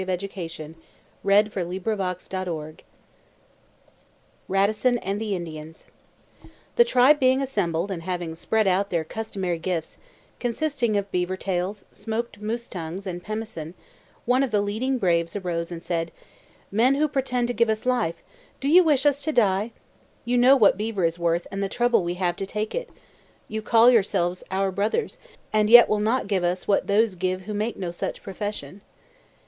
One Father watches o'er us! GEORGE COOPER RADISSON AND THE INDIANS The tribe being assembled and having spread out their customary gifts, consisting of beaver tails, smoked moose tongues and pemmican, one of the leading braves arose and said: "Men who pretend to give us life, do you wish us to die! You know what beaver is worth and the trouble we have to take it. You call yourselves our brothers, and yet will not give us what those give who make no such profession.